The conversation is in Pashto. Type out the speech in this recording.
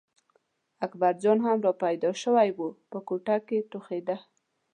اکبرجان هم را پیدا شوی و په کوټه کې ټوخېده.